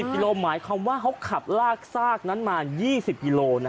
กิโลหมายความว่าเขาขับลากซากนั้นมา๒๐กิโล